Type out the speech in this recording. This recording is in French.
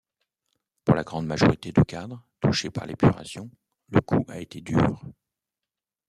Pour la grande majorité de cadres touchés par l'épuration, le coup a été dur.